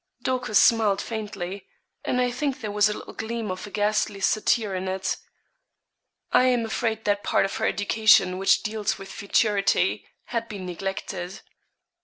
Dorcas smiled faintly, and I think there was a little gleam of a ghastly satire in it. I am afraid that part of her education which deals with futurity had been neglected.